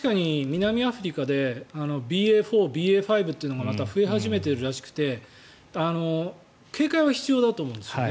確かに南アフリカでＢＡ．４、ＢＡ．５というのがまた増え始めているらしくて警戒は必要だと思うんです。